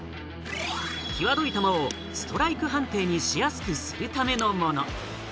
際どい球をストライク判定にしやすくするためのもの。